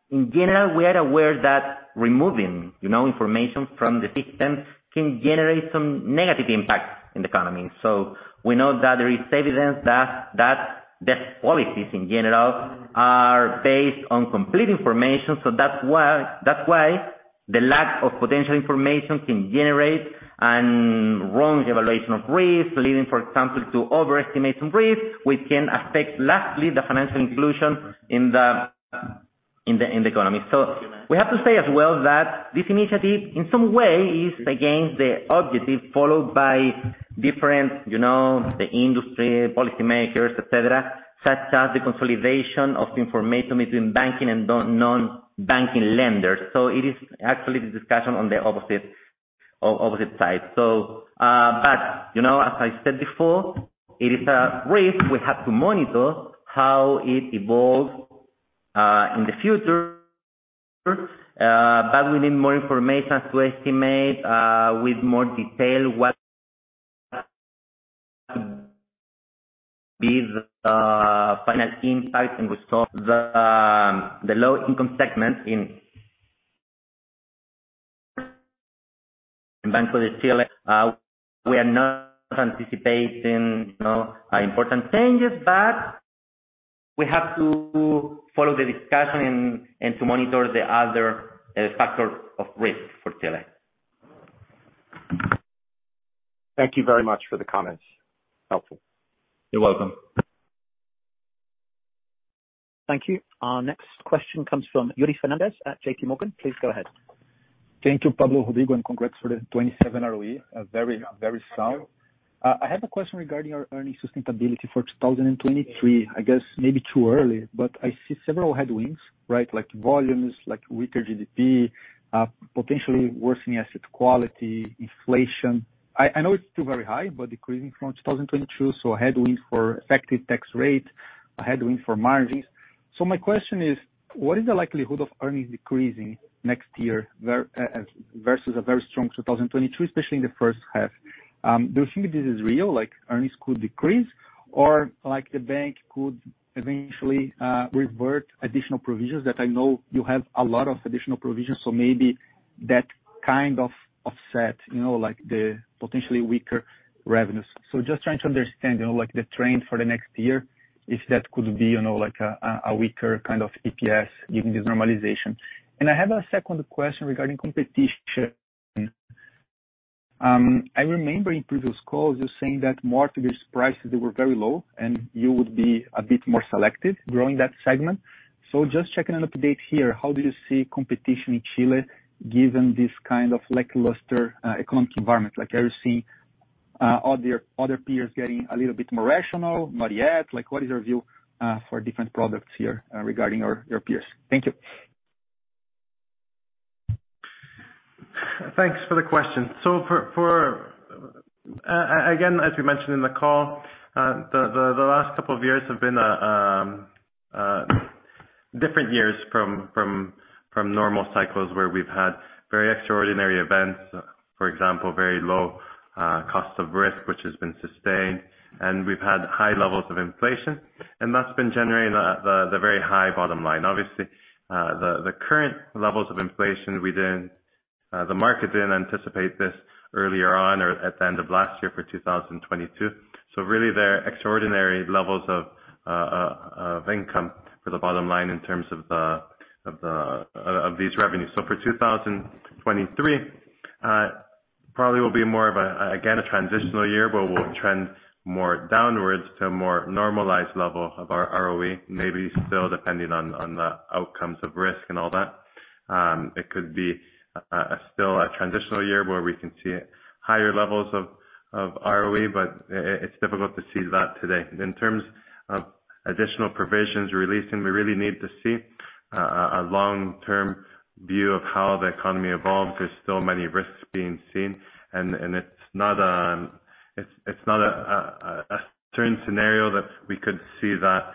in general, we are aware that removing information from the system can generate some negative impact in the economy. We know that there is evidence that the policies in general are based on complete information. That's why the lack of potential information can generate a wrong evaluation of risk, leading, for example, to overestimate some risk, which can affect lastly the financial inclusion in the economy. We have to say as well that this initiative, in some way, is against the objective followed by different the industry policy makers, et cetera, such as the consolidation of information between banking and non-banking lenders. It is actually the discussion on the opposite side. As I said before, it is a risk we have to monitor how it evolves in the future. We need more information to estimate with more detail what will be the final impact and resolve the low income segment in Banco de Chile. We are not anticipating important changes, but we have to follow the discussion and to monitor the other factor of risk for Chile. Thank you very much for the comments. Helpful. You're welcome. Thank you. Our next question comes from Yuri Fernandes at J.P. Morgan. Please go ahead. Thank you, Pablo, Rodrigo, and congrats for the 27 ROE. A very, very sound. Thank you. I have a question regarding our earnings sustainability for 2023. Maybe too early, but I see several headwinds. Like volumes, like weaker GDP, potentially worsening asset quality, inflation. I know it's still very high, but decreasing from 2022, so a headwind for effective tax rate, a headwind for margins. My question is, what is the likelihood of earnings decreasing next year versus a very strong 2023, especially in the first half? Do you think this is real? Like earnings could decrease or like the bank could eventually revert additional provisions that I know you have a lot of additional provisions, so maybe that offset like the potentially weaker revenues. Just trying to understand like the trend for the next year, if that could be like a weaker EPS given this normalization. I have a second question regarding competition. I remember in previous calls you saying that mortgage prices, they were very low and you would be a bit more selective growing that segment. Just checking an update here, how do you see competition in Chile given this lackluster economic environment? Like, are you seeing other peers getting a little bit more rational? Not yet? Like what is your view for different products here regarding your peers? Thank you. Thanks for the question. Again, as we mentioned in the call, the last couple of years have been different years from normal cycles where we've had very extraordinary events, for example, very low cost of risk, which has been sustained. We've had high levels of inflation, and that's been generating the very high bottom line. Obviously, the current levels of inflation within the market didn't anticipate this earlier on or at the end of last year for 2022. Really, they're extraordinary levels of income for the bottom line in terms of these revenues. For 2023, probably will be more of a transitional year, again, but we'll trend more downwards to a more normalized level of our ROE, maybe still depending on the outcomes of risk and all that. It could be still a transitional year where we can see higher levels of ROE, but it's difficult to see that today. In terms of additional provisions releasing, we really need to see a long-term view of how the economy evolves. There's still many risks being seen, and it's not a certain scenario that we could see that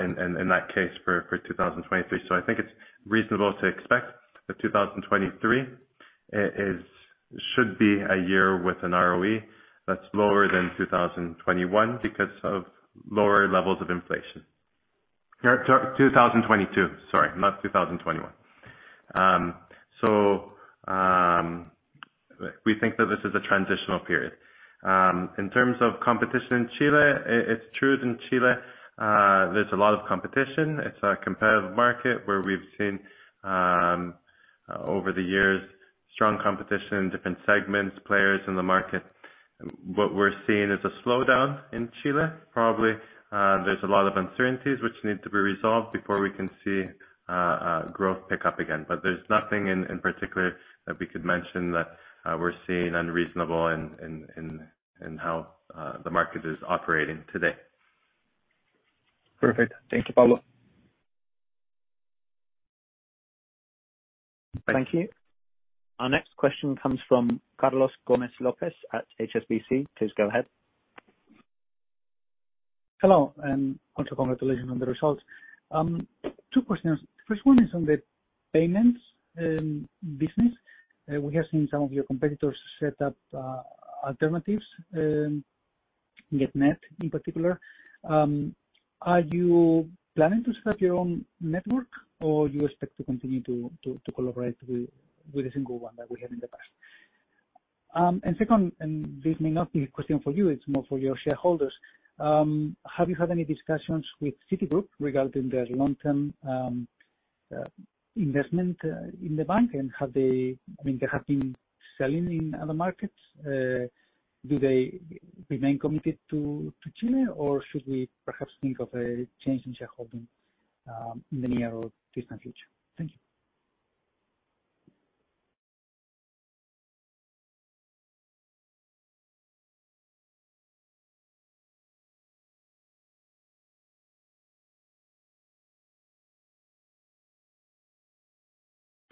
in that case for 2023. I think it's reasonable to expect that 2023 is a year with an ROE that's lower than 2021 because of lower levels of inflation. Or 2022, sorry, not 2021. We think that this is a transitional period. In terms of competition in Chile, it's true that in Chile, there's a lot of competition. It's a competitive market where we've seen over the years strong competition, different segments, players in the market. What we're seeing is a slowdown in Chile, probably. There's a lot of uncertainties which need to be resolved before we can see growth pick up again. There's nothing in particular that we could mention that we're seeing unreasonable in how the market is operating today. Perfect. Thank you, Pablo. Thank you. Our next question comes from Carlos Gomez-Lopez at HSBC. Please go ahead. Hello, and also congratulations on the results. Two questions. First one is on the payments business. We have seen some of your competitors set up alternatives, Getnet in particular. Are you planning to set up your own network or you expect to continue to collaborate with a single one like we have in the past? Second, this may not be a question for you. It's more for your shareholders. Have you had any discussions with Citigroup regarding their long-term investment in the bank? Have they? They have been selling in other markets. Do they remain committed to Chile, or should we perhaps think of a change in shareholding in the near or distant future? Thank you.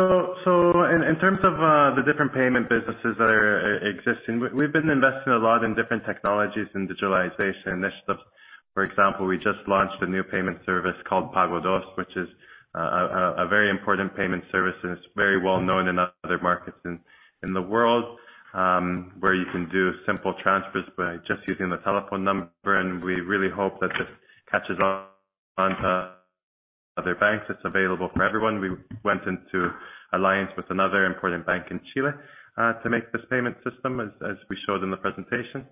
In terms of the different payment businesses that are existing, we've been investing a lot in different technologies and digitalization initiatives. For example, we just launched a new payment service called Mi Pago, which is a very important payment service and it's very well known in other markets in the world, where you can do simple transfers by just using the telephone number, and we really hope that it catches on other banks. It's available for everyone. We went into alliance with another important bank in Chile to make this payment system as we showed in the presentation.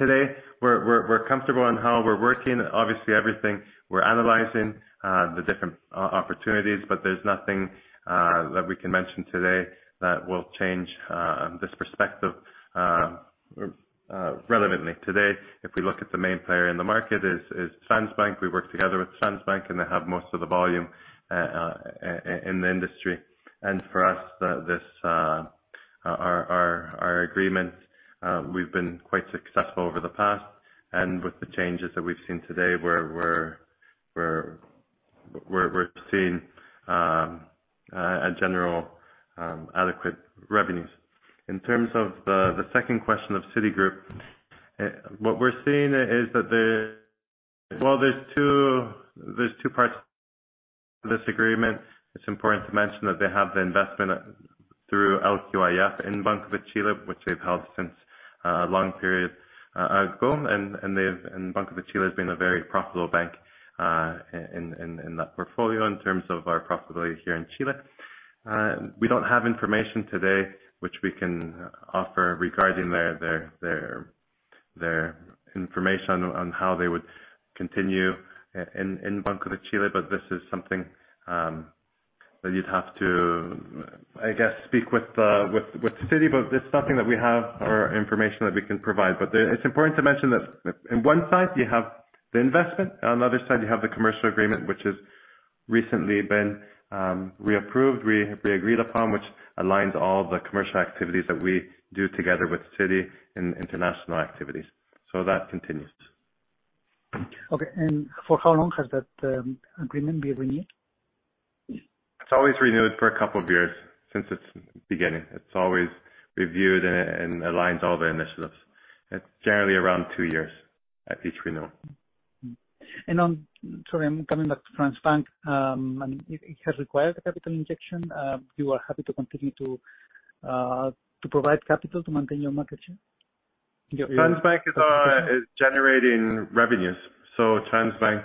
Today we're comfortable on how we're working. Obviously, everything we're analyzing the different opportunities, but there's nothing that we can mention today that will change this perspective relevantly. Today, if we look at the main player in the market is Transbank. We work together with Transbank, and they have most of the volume in the industry. For us, our agreement, we've been quite successful over the past. With the changes that we've seen today, we're seeing generally adequate revenues. In terms of the second question of Citigroup, what we're seeing is that. There's two parts. This agreement, it's important to mention that they have the investment through LQIF in Banco de Chile, which they've held since a long period ago. Banco de Chile has been a very profitable bank in that portfolio in terms of our profitability here in Chile. We don't have information today which we can offer regarding their information on how they would continue in Banco de Chile. This is something that you'd have to speak with Citi, but it's nothing that we have or information that we can provide. It's important to mention that on one side you have the investment, on the other side you have the commercial agreement, which has recently been reapproved, re-agreed upon, which aligns all the commercial activities that we do together with Citi in international activities. That continues. Okay. For how long has that agreement been renewed? It's always renewed for a couple of years since its beginning. It's always reviewed and aligns all the initiatives. It's generally around two years at each renewal. Sorry, I'm coming back to Transbank. It has required a capital injection. You are happy to continue to provide capital to maintain your market share? Transbank is generating revenues. Transbank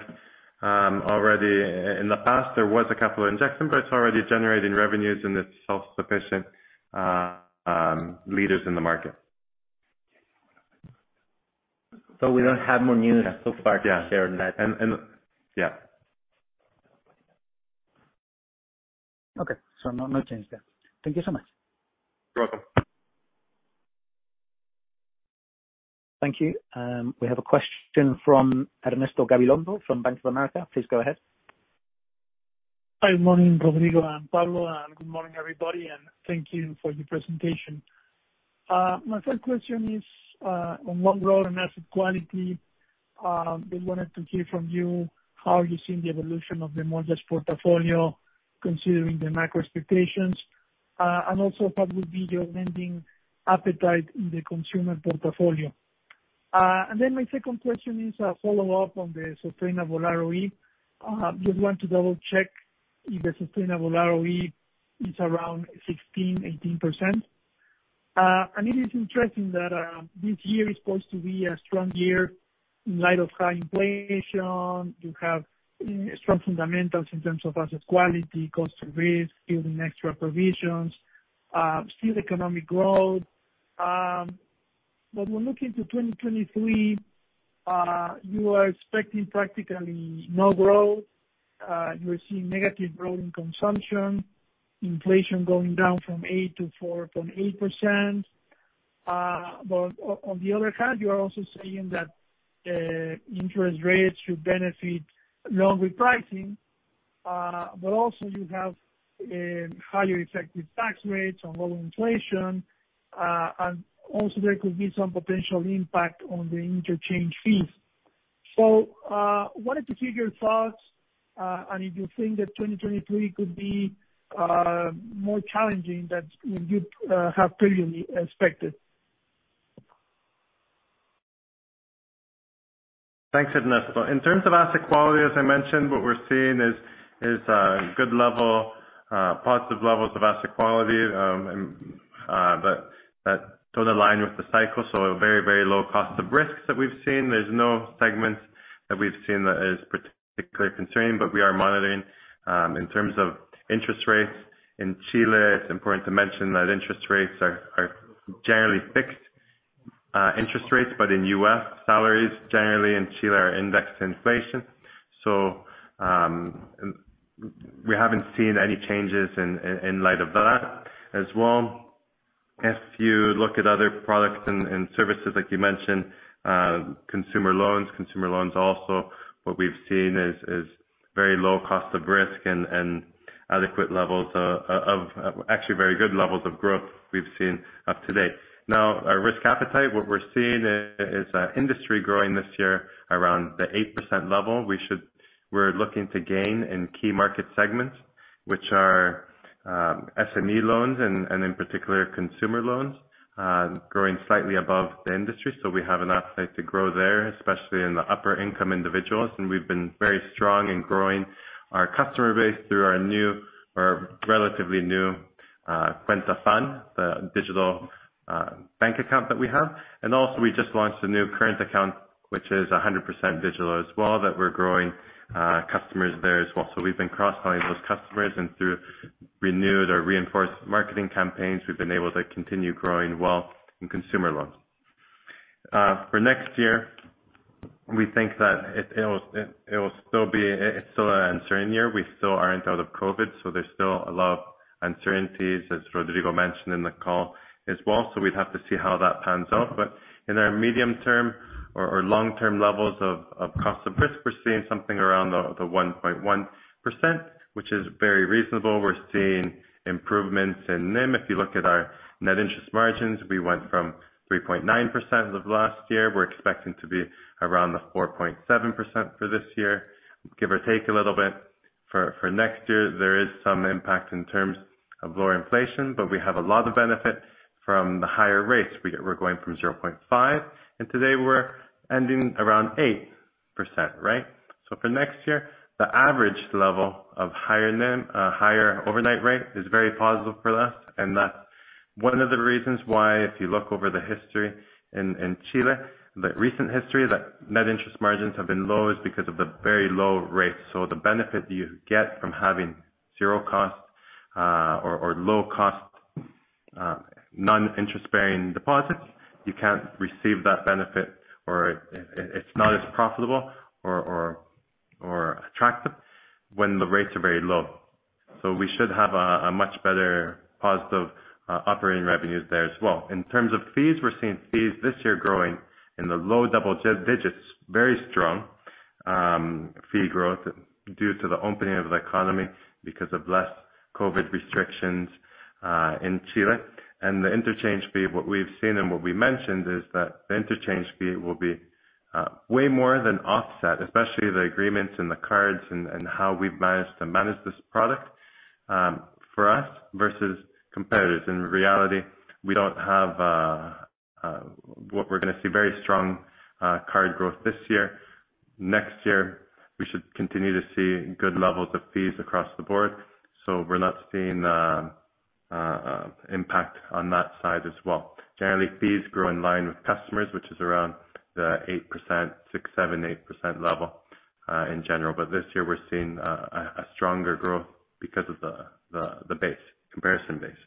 already in the past there was a capital injection, but it's already generating revenues and it's self-sufficient, leaders in the market. We don't have more news so far to share on that? Yeah. Yeah. Okay. No, no change there. Thank you so much. You're welcome. Thank you. We have a question from Ernesto Gabilondo from Bank of America. Please go ahead. Hi. Good morning, Rodrigo and Pablo, and good morning, everybody, and thank you for the presentation. My first question is on overall asset quality. We wanted to hear from you how you're seeing the evolution of the mortgage portfolio considering the macro expectations, and also what would be your lending appetite in the consumer portfolio. My second question is a follow-up on the sustainable ROE. Just want to double-check if the sustainable ROE is around 16%-18%. It is interesting that this year is supposed to be a strong year in light of high inflation. You have strong fundamentals in terms of asset quality, cost to risk, building extra provisions, still economic growth. When looking to 2023, you are expecting practically no growth. You're seeing negative growth in consumption, inflation going down from 8% to 4.8%. On the other hand, you are also saying that interest rates should benefit loan repricing, but also you have highly effective tax rates on lower inflation, and also there could be some potential impact on the interchange fees. Wanted to hear your thoughts, and if you think that 2023 could be more challenging than you have previously expected. Thanks, Ernesto. In terms of asset quality, as I mentioned, what we're seeing is good level, positive levels of asset quality. That totally aligns with the cycle. A very low cost of risk that we've seen. There's no segment that we've seen that is particularly concerning, but we are monitoring. In terms of interest rates in Chile, it's important to mention that interest rates are generally fixed interest rates. Incomes, salaries generally in Chile are indexed to inflation. We haven't seen any changes in light of that as well. If you look at other products and services like you mentioned, consumer loans. Consumer loans also, what we've seen is very low cost of risk and adequate levels of. Actually very good levels of growth we've seen up to date. Now, our risk appetite, what we're seeing is our industry growing this year around the 8% level. We're looking to gain in key market segments, which are SME loans and in particular consumer loans, growing slightly above the industry. We have an upside to grow there, especially in the upper income individuals. We've been very strong in growing our customer base through our new or relatively new Cuenta FAN, the digital bank account that we have. We just launched a new current account, which is 100% digital as well that we're growing customers there as well. We've been cross-selling those customers and through renewed or reinforced marketing campaigns, we've been able to continue growing well in consumer loans. For next year, we think that it will still be. It's still an uncertain year. We still aren't out of COVID, so there's still a lot of uncertainties, as Rodrigo mentioned in the call as well. We'd have to see how that pans out. In our medium term or long-term levels of cost of risk, we're seeing something around the 1.1%, which is very reasonable. We're seeing improvements in NIM. If you look at our net interest margins, we went from 3.9% last year. We're expecting to be around the 4.7% for this year, give or take a little bit. For next year, there is some impact in terms of lower inflation, but we have a lot of benefit from the higher rates. We're going from 0.5%, and today we're ending around 8%. For next year, the average level of higher overnight rate is very positive for us, and that's one of the reasons why if you look over the history in Chile, the recent history, the net interest margins have been low is because of the very low rates. The benefit you get from having zero cost or low cost non-interest bearing deposits, you can't receive that benefit or it's not as profitable or attractive when the rates are very low. We should have a much better positive operating revenues there as well. In terms of fees, we're seeing fees this year growing in the low double digits, very strong fee growth due to the opening of the economy because of less COVID restrictions in Chile. The interchange fee, what we've seen and what we mentioned is that the interchange fee will be way more than offset, especially the agreements and the cards and how we've managed this product for us versus competitors. In reality, we don't have what we're gonna see very strong card growth this year. Next year, we should continue to see good levels of fees across the board. We're not seeing impact on that side as well. Generally, fees grow in line with customers, which is around the 8%, 6%, 7%, 8% level in general. This year we're seeing a stronger growth because of the base comparison base.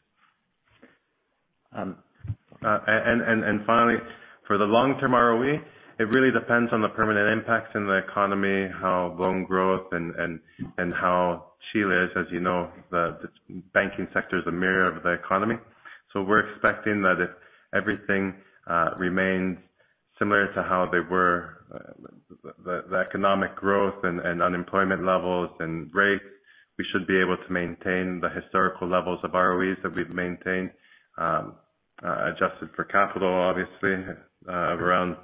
Finally, for the long-term ROE, it really depends on the permanent impact in the economy, how loan growth and how Chile is. The banking sector is a mirror of the economy. We're expecting that if everything remains similar to how they were, the economic growth and unemployment levels and rates, we should be able to maintain the historical levels of ROEs that we've maintained, adjusted for capital, obviously, around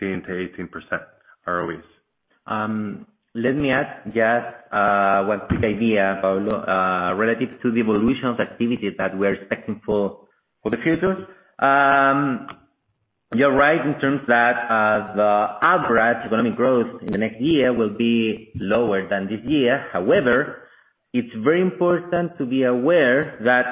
16%-18% ROEs. Let me add just one quick idea, Pablo, relative to the evolution of activities that we're expecting for the future. You're right in terms that the average economic growth in the next year will be lower than this year. However, it's very important to be aware that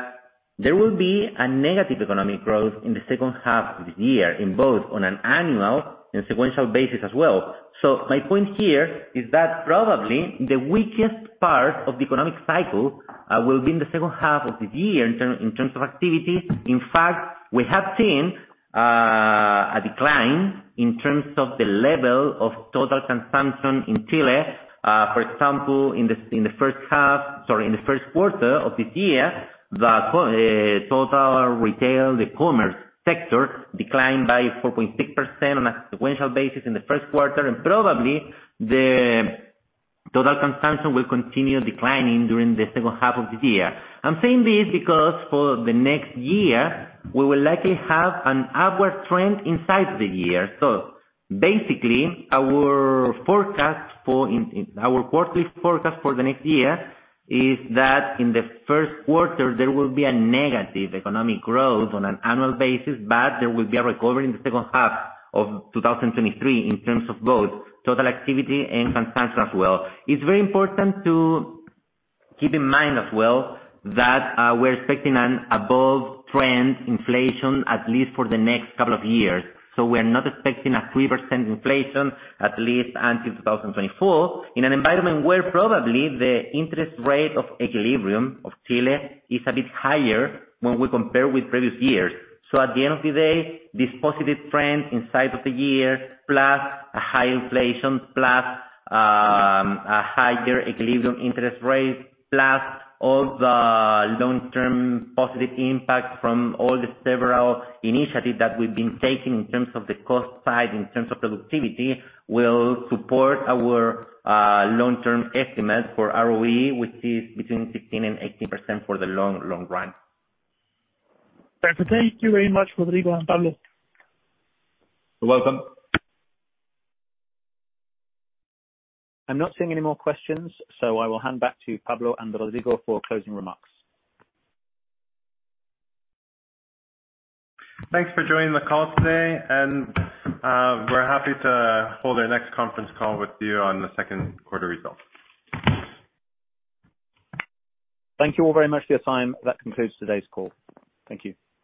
there will be a negative economic growth in the second half of this year in both on an annual and sequential basis as well. My point here is that probably the weakest part of the economic cycle will be in the second half of this year in terms of activity. In fact, we have seen a decline in terms of the level of total consumption in Chile. For example, in the first half. Sorry, in the first quarter of this year, the total retail e-commerce sector declined by 4.6% on a sequential basis in the first quarter, and probably the total consumption will continue declining during the second half of this year. I'm saying this because for the next year we will likely have an upward trend inside the year. Our quarterly forecast for the next year is that in the first quarter there will be a negative economic growth on an annual basis, but there will be a recovery in the second half of 2023 in terms of both total activity and consumption as well. It's very important to keep in mind as well that we're expecting an above trend inflation at least for the next couple of years, so we're not expecting a 3% inflation at least until 2024 in an environment where probably the interest rate of equilibrium of Chile is a bit higher when we compare with previous years. At the end of the day, this positive trend inside of the year plus a high inflation plus a higher equilibrium interest rate, plus all the long-term positive impact from all the several initiatives that we've been taking in terms of the cost side, in terms of productivity, will support our long-term estimates for ROE, which is between 15% and 18% for the long, long run. Thank you very much, Rodrigo and Pablo. You're welcome. I'm not seeing any more questions, so I will hand back to Pablo and Rodrigo for closing remarks. Thanks for joining the call today and, we're happy to hold our next conference call with you on the second quarter results. Thank you all very much for your time. That concludes today's call. Thank you.